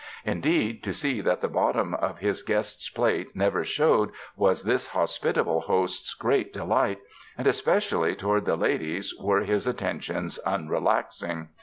Indeed to see that the bottom of his guest's plate never showed was this hospitable host's great delight, and especially toward the ladies were his attentions unrelaxing.